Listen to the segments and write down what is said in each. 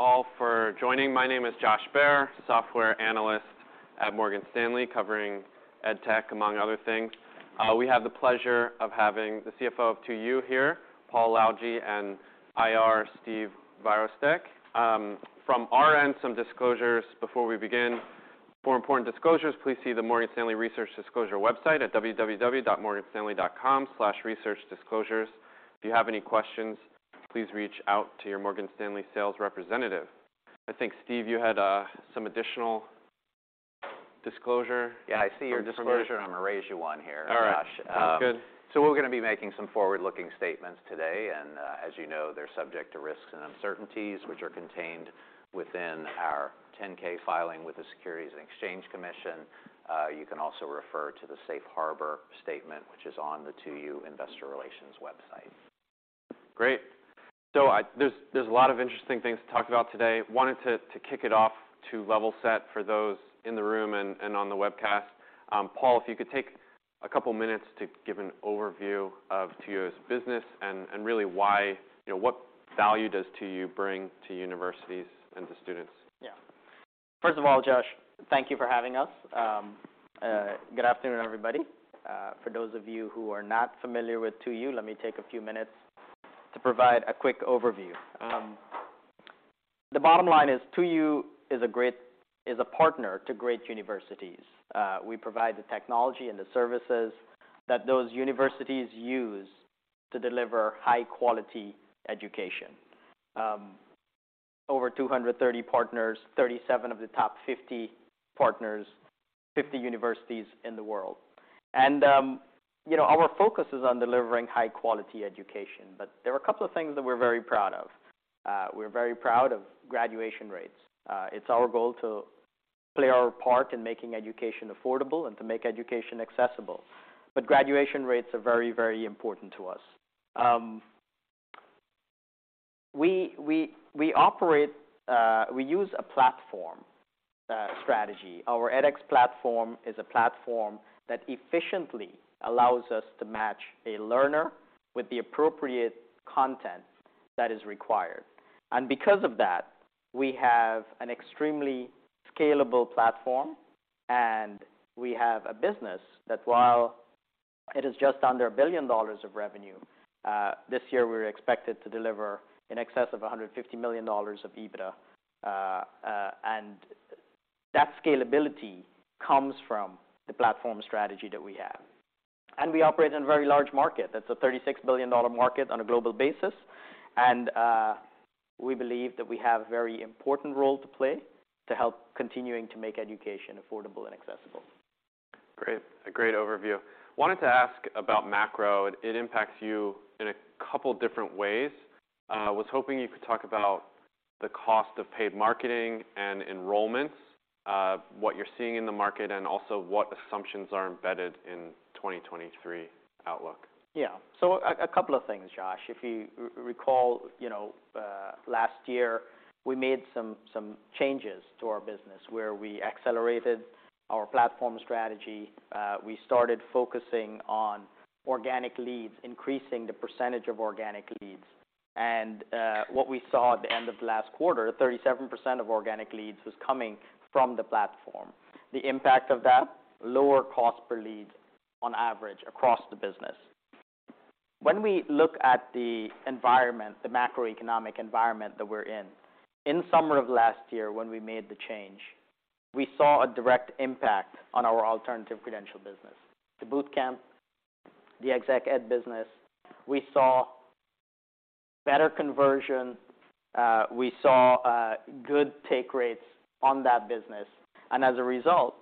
All for joining. My name is Josh Baer, Software Analyst at Morgan Stanley, covering ed tech, among other things. We have the pleasure of having the CFO of 2U here, Paul Lalljie and IR Stephen Virostek. From our end, some disclosures before we begin. For important disclosures, please see the Morgan Stanley Research Disclosure website at www.morganstanley.com/researchdisclosures. You have any questions, please reach out to your Morgan Stanley sales representative. I think, Steve, you had some additional disclosure. Yeah, I see your disclosure. From me. I'm gonna raise you one here. All right. Josh. Sounds good. We're gonna be making some forward-looking statements today. As you know, they're subject to risks and uncertainties, which are contained within our 10-K filing with the Securities and Exchange Commission. You can also refer to the Safe Harbor statement, which is on the 2U investor relations website. Great. There's a lot of interesting things to talk about today. Wanted to kick it off to level set for those in the room and on the webcast. Paul, if you could take a couple minutes to give an overview of 2U's business and really why, you know, what value does 2U bring to universities and to students? Yeah. First of all, Josh, thank you for having us. good afternoon, everybody. For those of you who are not familiar with 2U, let me take a few minutes to provide a quick overview. The bottom line is 2U is a partner to great universities. We provide the technology and the services that those universities use to deliver high quality education. over 230 partners, 37 of the top 50 partners, 50 universities in the world. You know, our focus is on delivering high quality education. There are a couple of things that we're very proud of. We're very proud of graduation rates. It's our goal to play our part in making education affordable and to make education accessible. Graduation rates are very, very important to us. We operate, we use a platform strategy. Our edX platform is a platform that efficiently allows us to match a learner with the appropriate content that is required. Because of that, we have an extremely scalable platform, and we have a business that while it is just under $1 billion of revenue, this year, we're expected to deliver in excess of $150 million of EBITDA. That scalability comes from the platform strategy that we have. We operate in a very large market. That's a $36 billion market on a global basis. We believe that we have a very important role to play to help continuing to make education affordable and accessible. Great. A great overview. Wanted to ask about macro. It impacts you in a couple different ways. Was hoping you could talk about the cost of paid marketing and enrollments, what you're seeing in the market, and also what assumptions are embedded in 2023 outlook? A couple of things, Josh. If you recall, you know, last year, we made some changes to our business where we accelerated our platform strategy. We started focusing on organic leads, increasing the percentage of organic leads. What we saw at the end of last quarter, 37% of organic leads was coming from the platform. The impact of that, lower cost per lead on average across the business. When we look at the environment, the macroeconomic environment that we're in summer of last year when we made the change, we saw a direct impact on our alternative credential business. The boot camp, the ExecEd business, we saw better conversion, we saw good take rates on that business. As a result,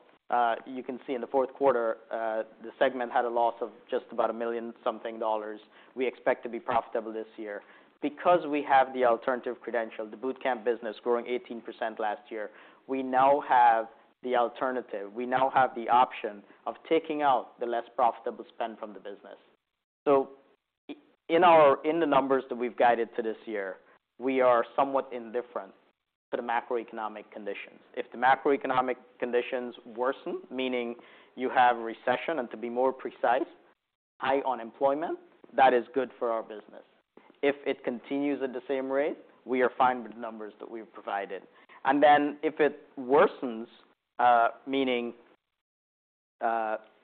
you can see in the fourth quarter, the segment had a loss of just about a million something dollars. We expect to be profitable this year. Because we have the alternative credential, the boot camp business growing 18% last year, we now have the option of taking out the less profitable spend from the business. In the numbers that we've guided to this year, we are somewhat indifferent to the macroeconomic conditions. If the macroeconomic conditions worsen, meaning you have recession, and to be more precise, high unemployment, that is good for our business. If it continues at the same rate, we are fine with numbers that we've provided. If it worsens, meaning,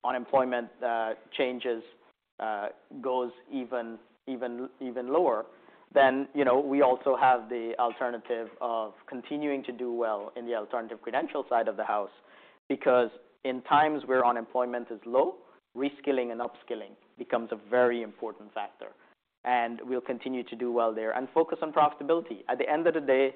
unemployment changes, goes even lower, you know, we also have the alternative of continuing to do well in the alternative credential side of the house. In times where unemployment is low, reskilling and upskilling becomes a very important factor, and we'll continue to do well there and focus on profitability. At the end of the day,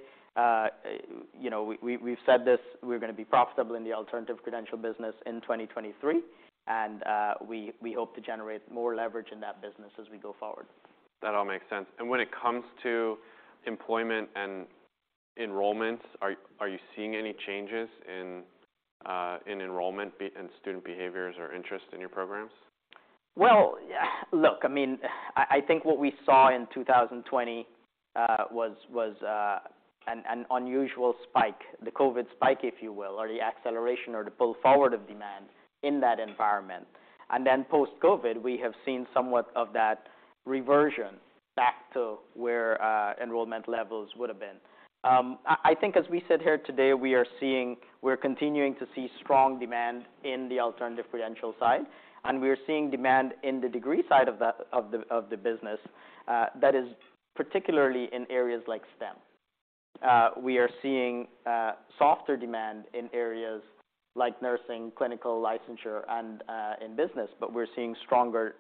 you know, we've said this, we're gonna be profitable in the alternative credential business in 2023, and we hope to generate more leverage in that business as we go forward. That all makes sense. When it comes to employment and enrollment, are you seeing any changes in student behaviors or interest in your programs? Well, look, I mean, I think what we saw in 2020 was an unusual spike, the COVID spike if you will, or the acceleration or the pull forward of demand in that environment. Post-COVID, we have seen somewhat of that reversion back to where enrollment levels would have been. I think as we sit here today, we're continuing to see strong demand in the alternative credential side, we are seeing demand in the degree side of the business, that is particularly in areas like STEM. We are seeing softer demand in areas like nursing, clinical licensure, and in business, we're seeing stronger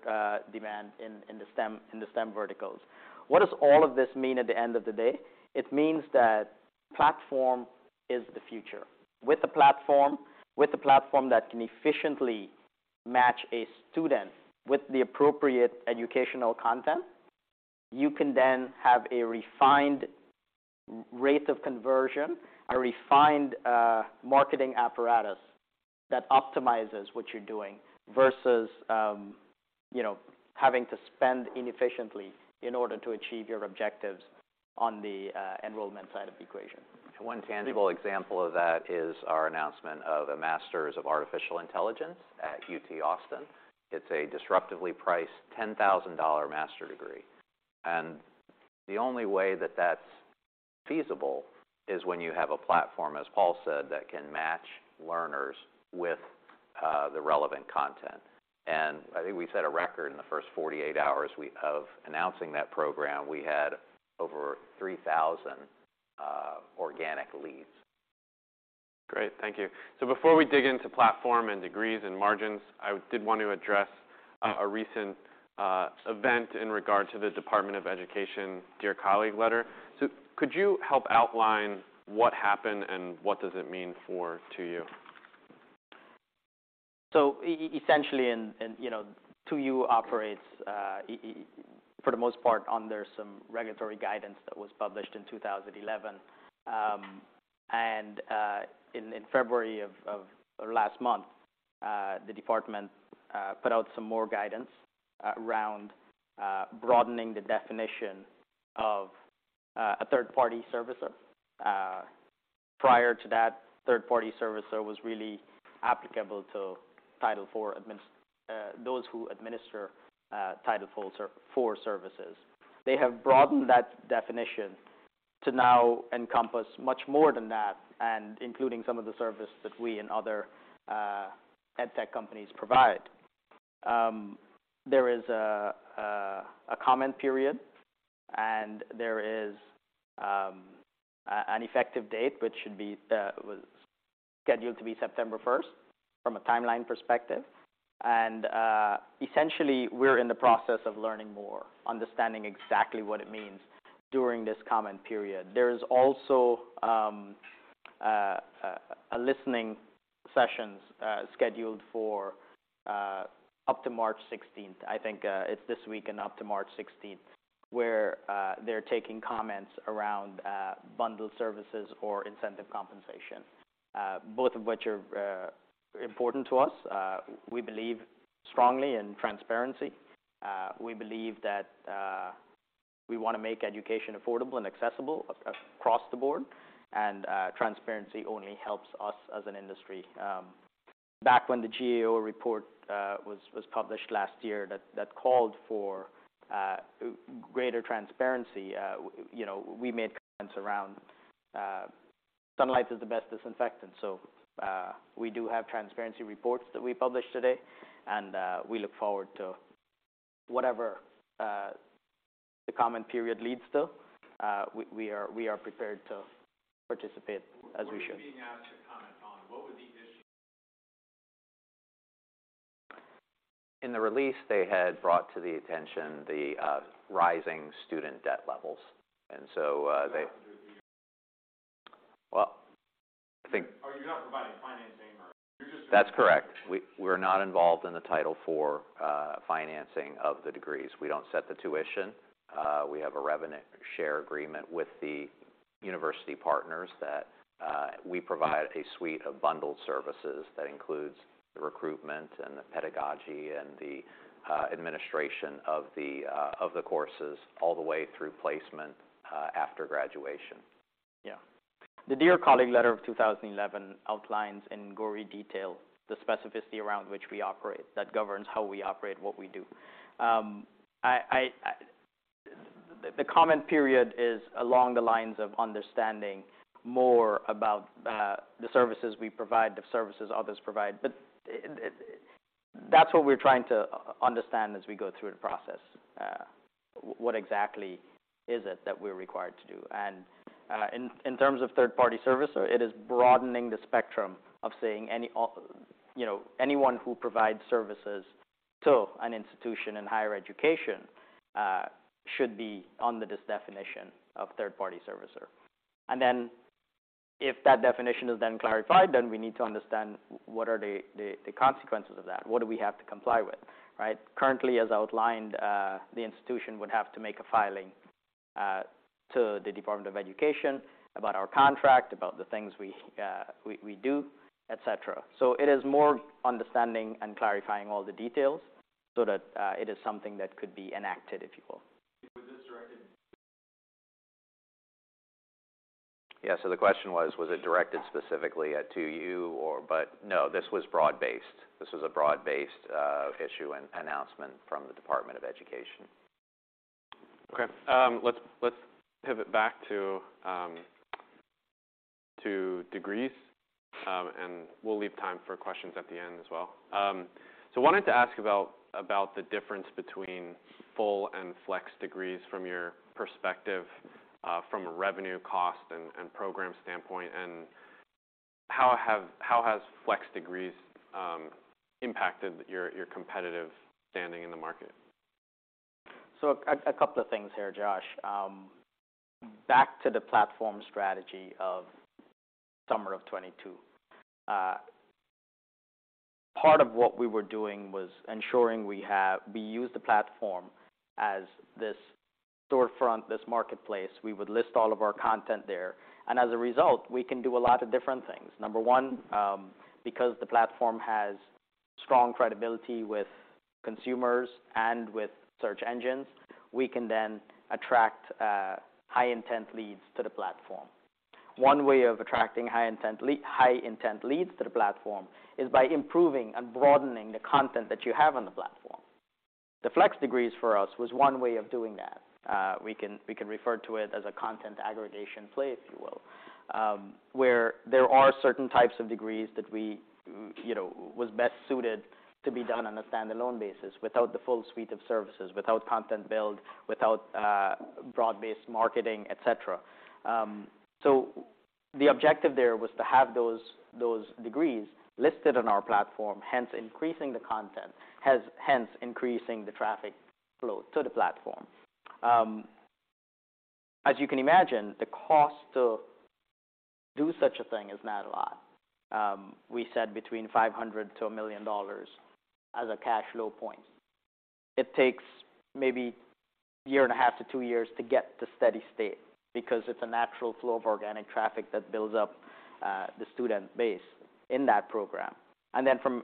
demand in the STEM verticals. What does all of this mean at the end of the day? It means that platform is the future. With the platform that can efficiently match a student with the appropriate educational content, you can then have a refined rate of conversion, a refined marketing apparatus that optimizes what you're doing versus, you know, having to spend inefficiently in order to achieve your objectives on the enrollment side of the equation. One tangible example of that is our announcement of a Master of Artificial Intelligence at UT Austin. It's a disruptively priced $10,000 master degree. The only way that that's feasible is when you have a platform, as Paul said, that can match learners with the relevant content. I think we set a record in the first 48 hours of announcing that program, we had over 3,000 organic leads. Great. Thank you. Before we dig into platform and degrees and margins, I did want to address, a recent event in regard to the Department of Education Dear Colleague letter. Could you help outline what happened and what does it mean for 2U? Essentially, you know, 2U operates for the most part under some regulatory guidance that was published in 2011. In February or last month, the Department put out some more guidance around broadening the definition of a third-party servicer. Prior to that, third-party servicer was really applicable to Title IV, those who administer Title IV services. They have broadened that definition to now encompass much more than that, and including some of the service that we and other edtech companies provide. There is a comment period, and there is an effective date, which was scheduled to be September 1st from a timeline perspective. Essentially, we're in the process of learning more, understanding exactly what it means during this comment period. There is also a listening sessions scheduled for up to March 16th. I think it's this week and up to March 16th, where they're taking comments around bundled services or incentive compensation, both of which are important to us. We believe strongly in transparency. We believe that we wanna make education affordable and accessible across the board, and transparency only helps us as an industry. Back when the GAO report was published last year that called for greater transparency, you know, we made comments around sunlight is the best disinfectant. We do have transparency reports that we publish today, and we look forward to whatever the comment period leads to. We are prepared to participate as we should. What are you being asked to comment on? What would the issue. In the release, they had brought to the attention the rising student debt levels. Well, I think. Oh, you're not providing financing or you're just- That's correct. We're not involved in the Title IV financing of the degrees. We don't set the tuition. We have a revenue share agreement with the university partners that we provide a suite of bundled services that includes the recruitment and the pedagogy and the administration of the courses all the way through placement after graduation. The Dear Colleague letter of 2011 outlines in gory detail the specificity around which we operate, that governs how we operate, what we do. The comment period is along the lines of understanding more about the services we provide, the services others provide. That's what we're trying to understand as we go through the process, what exactly is it that we're required to do. In terms of third-party servicer, it is broadening the spectrum of saying any, you know, anyone who provides services to an institution in higher education should be under this definition of third-party servicer. If that definition is then clarified, then we need to understand what are the consequences of that. What do we have to comply with, right? Currently, as outlined, the institution would have to make a filing to the Department of Education about our contract, about the things we do, et cetera. It is more understanding and clarifying all the details so that it is something that could be enacted, if you will. Is this directed? Yeah. The question was it directed specifically at 2U. No, this was broad-based. This was a broad-based issue and announcement from the Department of Education. Okay. Let's pivot back to degrees. We'll leave time for questions at the end as well. Wanted to ask about the difference between full and flex degrees from your perspective, from a revenue cost and program standpoint, and how has flex degrees impacted your competitive standing in the market? A couple of things here, Josh. Back to the platform strategy of summer of 2022. Part of what we were doing was ensuring we use the platform as this storefront, this marketplace. We would list all of our content there. As a result, we can do a lot of different things. Number one, because the platform has strong credibility with consumers and with search engines, we can then attract high-intent leads to the platform. One way of attracting high-intent leads to the platform is by improving and broadening the content that you have on the platform. The flex degrees for us was one way of doing that. We can refer to it as a content aggregation play, if you will, where there are certain types of degrees that we, you know, was best suited to be done on a standalone basis without the full suite of services, without content build, without broad-based marketing, et cetera. The objective there was to have those degrees listed on our platform, hence increasing the content, hence increasing the traffic flow to the platform. As you can imagine, the cost to do such a thing is not a lot. We said between $500,000-$1 million as a cash flow point. It takes maybe a year and a half to two years to get to steady state because it's a natural flow of organic traffic that builds up the student base in that program. From,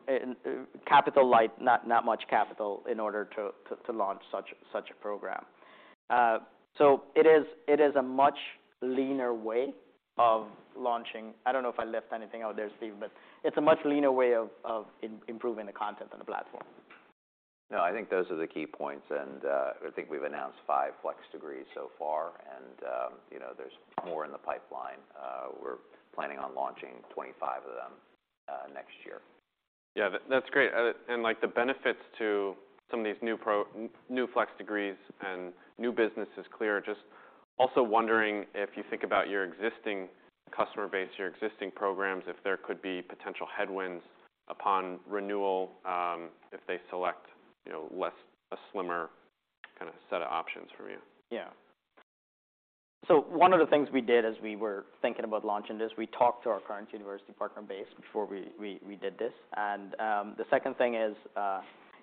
capital light, not much capital in order to launch such a program. It is a much leaner way of launching. I don't know if I left anything out there, Steve, but it's a much leaner way of improving the content on the platform. No, I think those are the key points. I think we've announced five flex degrees so far, and, you know, there's more in the pipeline. We're planning on launching 25 of them, next year. Yeah. That's great. Like, the benefits to some of these new flex degrees and new business is clear. Just also wondering if you think about your existing customer base, your existing programs, if there could be potential headwinds upon renewal, if they select, you know, less a slimmer kind of set of options from you. Yeah. One of the things we did as we were thinking about launching this, we talked to our current university partner base before we did this. The second thing is,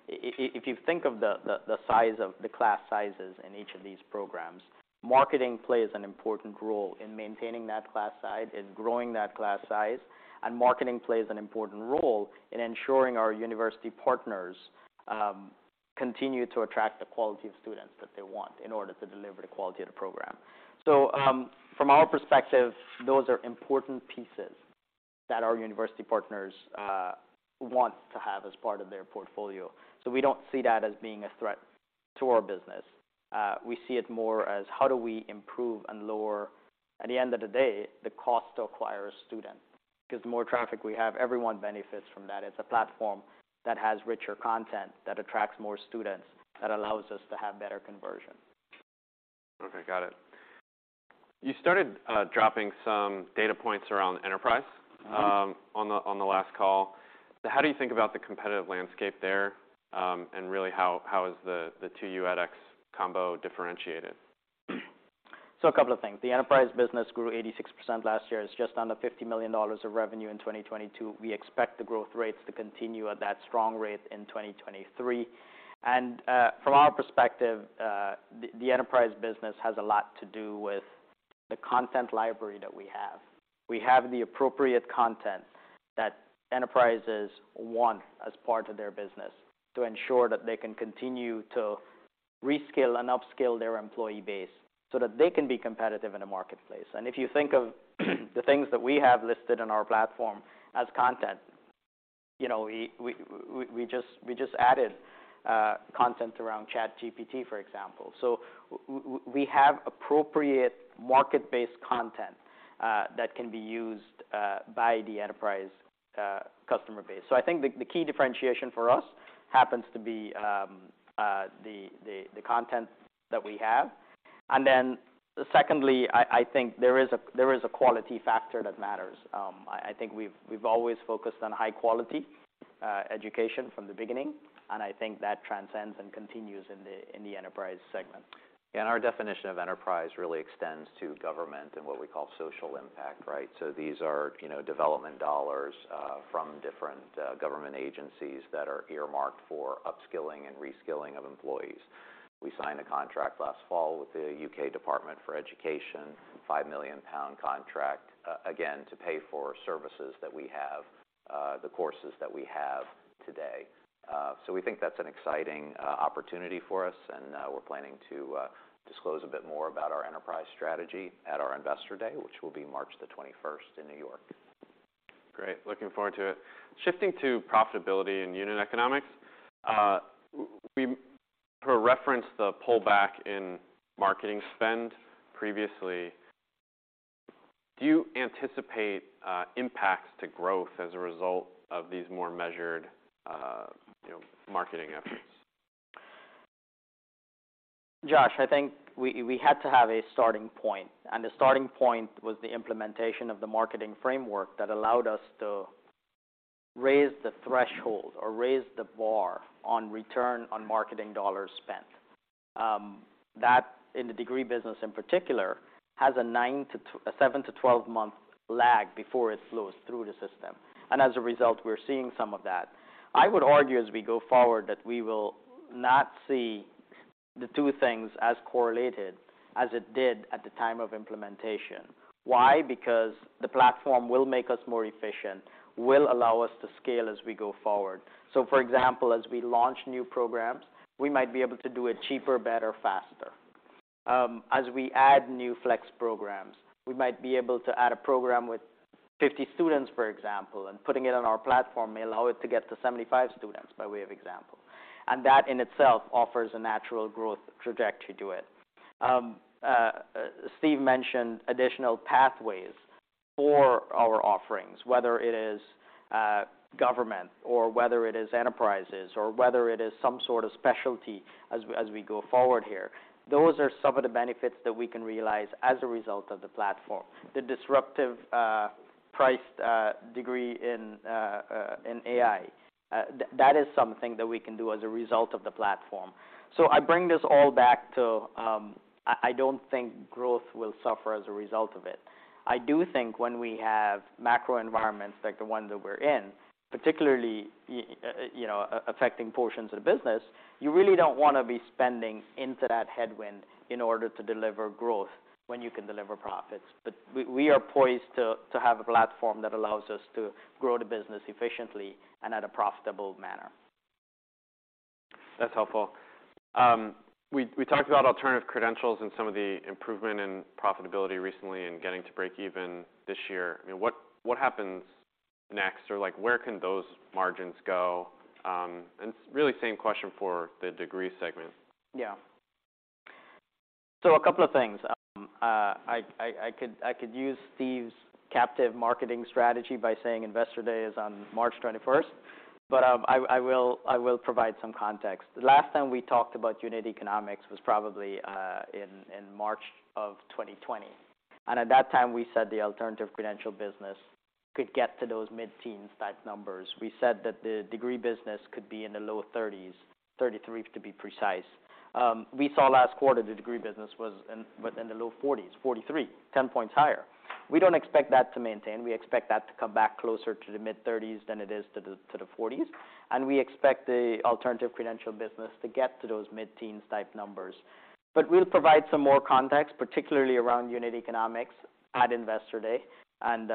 if you think of the size of the class sizes in each of these programs, marketing plays an important role in maintaining that class size, in growing that class size. Marketing plays an important role in ensuring our university partners continue to attract the quality of students that they want in order to deliver the quality of the program. From our perspective, those are important pieces that our university partners want to have as part of their portfolio. We don't see that as being a threat to our business. We see it more as how do we improve and lower, at the end of the day, the cost to acquire a student? The more traffic we have, everyone benefits from that. It's a platform that has richer content that attracts more students, that allows us to have better conversion. Okay, got it. You started, dropping some data points around enterprise- Mm-hmm. on the last call. How do you think about the competitive landscape there, and really how is the 2U edX combo differentiated? A couple of things. The enterprise business grew 86% last year. It's just under $50 million of revenue in 2022. We expect the growth rates to continue at that strong rate in 2023. From our perspective, the enterprise business has a lot to do with the content library that we have. We have the appropriate content that enterprises want as part of their business to ensure that they can continue to reskill and upskill their employee base so that they can be competitive in the marketplace. If you think of the things that we have listed on our platform as content, you know, we just added content around ChatGPT, for example. We have appropriate market-based content that can be used by the enterprise customer base. I think the key differentiation for us happens to be the content that we have. Secondly, I think there is a quality factor that matters. I think we've always focused on high quality education from the beginning, and I think that transcends and continues in the enterprise segment. Our definition of enterprise really extends to government and what we call social impact, right? These are, you know, development dollars from different government agencies that are earmarked for upskilling and reskilling of employees. We signed a contract last fall with the UK Department for Education, 5 million pound contract, again, to pay for services that we have, the courses that we have today. We think that's an exciting opportunity for us, and we're planning to disclose a bit more about our enterprise strategy at our Investor Day, which will be March 21st in New York. Great. Looking forward to it. Shifting to profitability and unit economics. We referenced the pullback in marketing spend previously. Do you anticipate impacts to growth as a result of these more measured, you know, marketing efforts? Josh, I think we had to have a starting point, and the starting point was the implementation of the marketing framework that allowed us to raise the threshold or raise the bar on return on marketing dollars spent. That, in the degree business in particular, has a seven to 12 month lag before it flows through the system. As a result, we're seeing some of that. I would argue as we go forward that we will not see the two things as correlated as it did at the time of implementation. Because the platform will make us more efficient, will allow us to scale as we go forward. For example, as we launch new programs, we might be able to do it cheaper, better, faster. As we add new flex programs, we might be able to add a program with 50 students, for example, and putting it on our platform may allow it to get to 75 students, by way of example. That in itself offers a natural growth trajectory to it. Steve mentioned additional pathways for our offerings, whether it is government or whether it is enterprises or whether it is some sort of specialty as we go forward here. Those are some of the benefits that we can realize as a result of the platform. The disruptive, priced degree in AI, that is something that we can do as a result of the platform. I bring this all back to, I don't think growth will suffer as a result of it. I do think when we have macro environments like the one that we're in, particularly you know, affecting portions of the business, you really don't wanna be spending into that headwind in order to deliver growth when you can deliver profits. We are poised to have a platform that allows us to grow the business efficiently and at a profitable manner. That's helpful. We talked about Alternative Credentials and some of the improvement in profitability recently and getting to break even this year. I mean, what happens next or, like, where can those margins go? Really same question for the degree segment? A couple of things. I could use Steve's captive marketing strategy by saying Investor Day is on March 21st, but I will provide some context. The last time we talked about unit economics was probably in March 2020. At that time we said the alternative credential business could get to those mid-teens type numbers. We said that the degree business could be in the low thirties, 33 to be precise. We saw last quarter the degree business was within the low forties, 43, 10 points higher. We don't expect that to maintain. We expect that to come back closer to the mid-thirties than it is to the forties, and we expect the alternative credential business to get to those mid-teens type numbers. We'll provide some more context, particularly around unit economics at Investor Day, and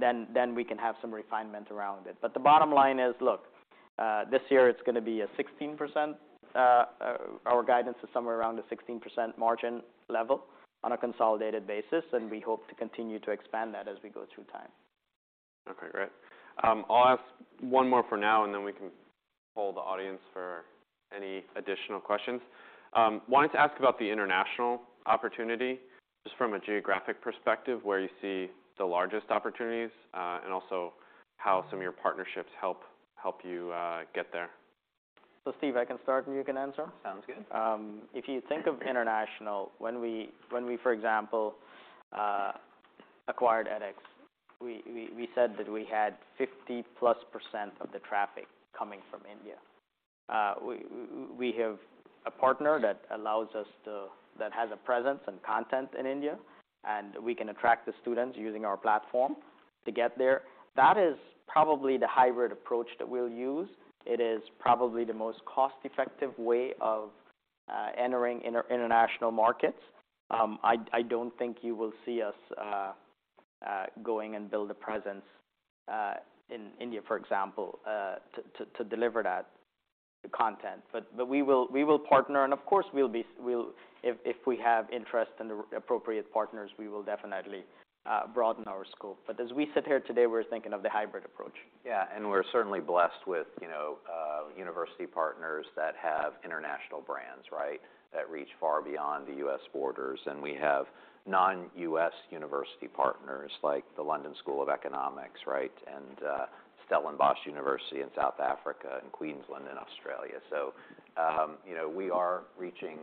then we can have some refinement around it. The bottom line is, look, our guidance is somewhere around a 16% margin level on a consolidated basis, and we hope to continue to expand that as we go through time. Great. I'll ask one more for now, and then we can poll the audience for any additional questions. Wanted to ask about the international opportunity, just from a geographic perspective, where you see the largest opportunities, and also how some of your partnerships help you get there. Steve, I can start and you can answer. Sounds good. If you think of international, when we, for example, acquired edX, we said that we had 50%+ of the traffic coming from India. We have a partner that allows us to that has a presence and content in India, and we can attract the students using our platform to get there. That is probably the hybrid approach that we'll use. It is probably the most cost-effective way of entering international markets. I don't think you will see us going and build a presence in India, for example, to deliver that content. We will partner and of course we'll if we have interest in the appropriate partners, we will definitely broaden our scope. As we sit here today, we're thinking of the hybrid approach. Yeah. We're certainly blessed with, you know, university partners that have international brands, right? That reach far beyond the U.S. borders. We have non-U.S. university partners like the London School of Economics, right? Stellenbosch University in South Africa and Queensland in Australia. You know, we are reaching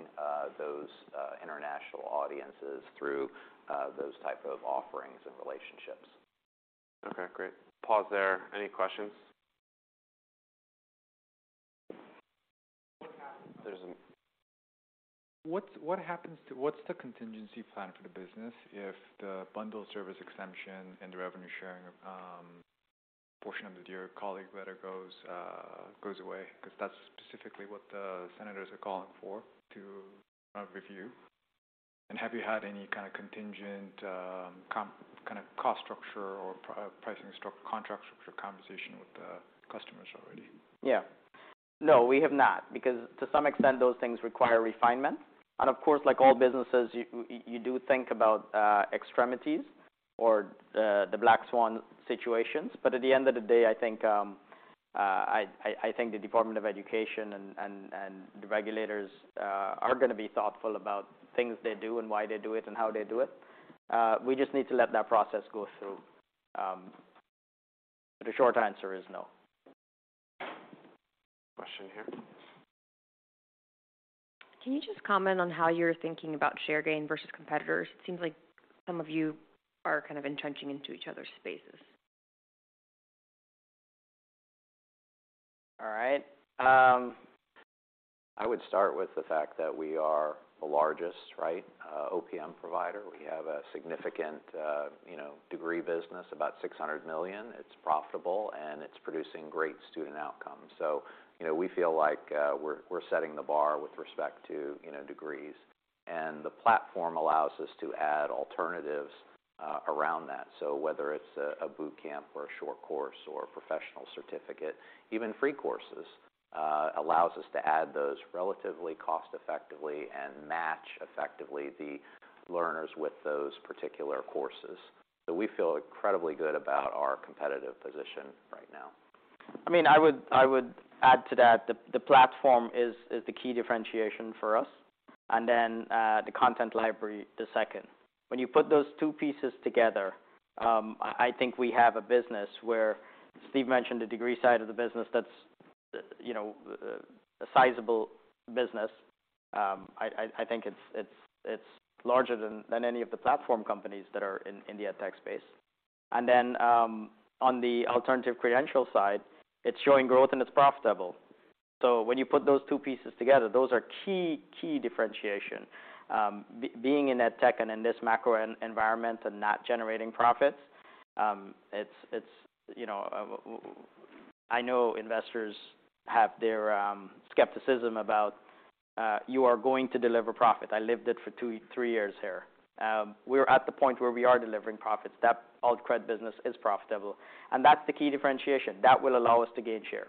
those international audiences through those type of offerings and relationships. Okay, great. Pause there. Any questions? What happens- There's an- What's the contingency plan for the business if the bundled services exemption and the revenue sharing portion of the Dear Colleague letter goes away, 'cause that's specifically what the senators are calling for to review. Have you had any kind of contingent, kind of cost structure or pricing contract structure conversation with the customers already? Yeah. No, we have not, because to some extent those things require refinement. Of course, like all businesses, you do think about extremities or the black swan situations. At the end of the day, I think the Department of Education and the regulators are gonna be thoughtful about things they do and why they do it and how they do it. We just need to let that process go through. The short answer is no. Question here. Can you just comment on how you're thinking about share gain versus competitors? It seems like some of you are kind of entrenching into each other's spaces. All right. I would start with the fact that we are the largest, right, OPM provider. We have a significant, you know, degree business, about $600 million. It's profitable, and it's producing great student outcomes. You know, we feel like, we're setting the bar with respect to, you know, degrees. The platform allows us to add alternatives, around that. Whether it's a boot camp or a short course or a professional certificate, even free courses, allows us to add those relatively cost-effectively and match effectively the learners with those particular courses. We feel incredibly good about our competitive position right now. I mean, I would add to that, the platform is the key differentiation for us. Then the content library the second. When you put those two pieces together, I think we have a business where Steve mentioned the degree side of the business that's, you know, a sizable business. I think it's larger than any of the platform companies that are in India tech space. Then on the alternative credential side, it's showing growth and it's profitable. When you put those two pieces together, those are key differentiation. Being in that tech and in this macro environment and not generating profits, it's, you know, I know investors have their skepticism about you are going to deliver profit. I lived it for two, three years here. We're at the point where we are delivering profits. That Alt Credit business is profitable, that's the key differentiation. That will allow us to gain share.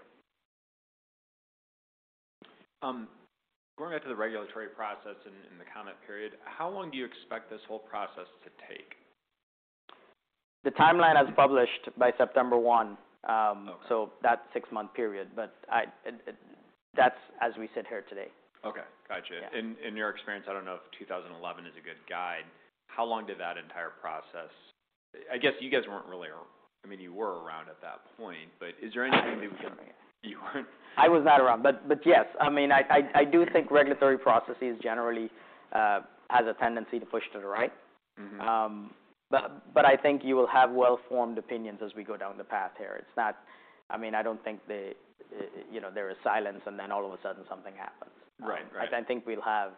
Going back to the regulatory process and the comment period, how long do you expect this whole process to take? The timeline is published by September 1. Okay... so that six-month period. I, that's as we sit here today. Okay. Gotcha. Yeah. In your experience, I don't know if 2011 is a good guide, how long did that entire process? I guess you guys weren't really I mean, you were around at that point, but is there anything that? I was not around. Yes. I mean, I do think regulatory processes generally has a tendency to push to the right. Mm-hmm. I think you will have well-formed opinions as we go down the path here. It's not. I mean, I don't think they, you know, there is silence, and then all of a sudden something happens. Right. Right. I think we'll have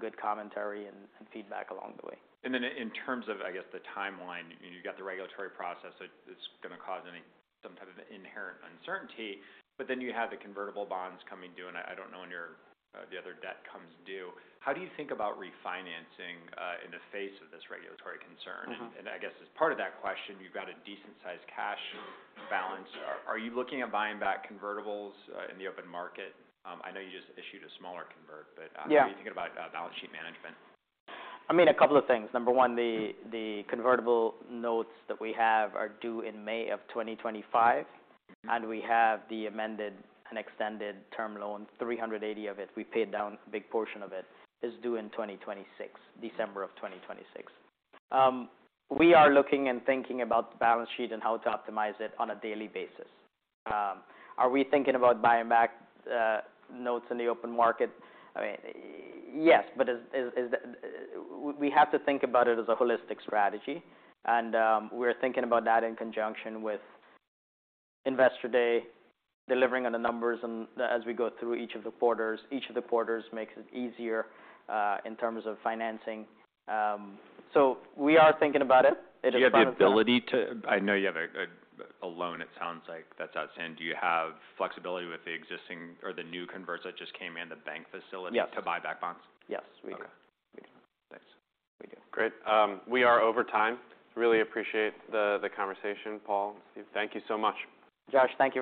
good commentary and feedback along the way. In terms of, I guess, the timeline, you've got the regulatory process that is going to cause some type of inherent uncertainty, but then you have the convertible bonds coming due, and I don't know when your the other debt comes due. How do you think about refinancing in the face of this regulatory concern? Mm-hmm. I guess as part of that question, you've got a decent sized cash balance. Are you looking at buying back convertibles in the open market? I know you just issued a smaller convert, but. Yeah... what are you thinking about, balance sheet management? I mean, a couple of things. Number one, the convertible notes that we have are due in May of 2025. Mm-hmm. We have the amended and extended term loan, $380 of it, we paid down a big portion of it. It's due in 2026, December of 2026. We are looking and thinking about the balance sheet and how to optimize it on a daily basis. Are we thinking about buying back notes in the open market? I mean, yes, but is that we have to think about it as a holistic strategy. We're thinking about that in conjunction with Investor Day, delivering on the numbers and as we go through each of the quarters makes it easier in terms of financing. We are thinking about it. It is part of the- Do you have the ability to? I know you have a loan it sounds like that's outstanding. Do you have flexibility with the existing or the new converts that just came in, the bank facility? Yes to buy back bonds? Yes, we do. Okay. We do. Thanks. We do. Great. We are over time. Really appreciate the conversation, Paul. Thank you so much. Josh, thank you very much.